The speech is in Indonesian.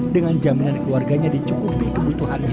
dengan jaminan keluarganya dicukupi kebutuhannya